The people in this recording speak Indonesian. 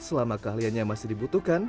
selama keahliannya masih dibutuhkan